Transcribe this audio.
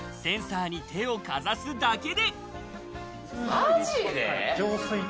センサーに手をかざすだけで。